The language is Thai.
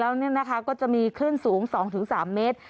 แล้วนี่นะคะก็จะมีคลื่นสูง๒ถึง๓เมตร